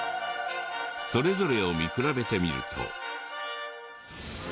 それぞれを見比べてみると。